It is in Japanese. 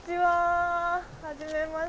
はじめまして。